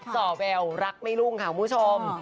ส่อแววรักไม่รุ่งค่ะคุณผู้ชม